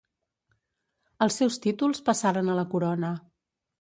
Els seus títols passaren a la corona.